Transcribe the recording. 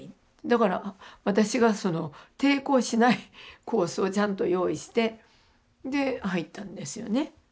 だから私がその抵抗しないコースをちゃんと用意して入ったんですよね。